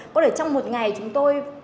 có thể trong một ngày chúng tôi